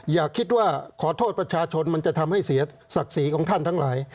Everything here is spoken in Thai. อย่าคิดว่าขอโทษประชาชนมันจะทำให้เสียศักดิ์ศรีของท่านทั้งหลาย